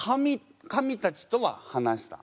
神たちとは話した？